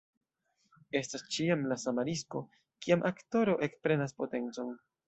Estas ĉiam la sama risko, kiam aktoro ekprenas potencon.